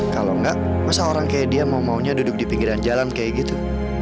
kalau gak masa orang kaya dia mau maunya duduk di pinggiran jalan kaya gitu